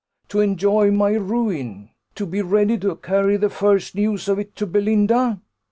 to enjoy my ruin? to be ready to carry the first news of it to Belinda?"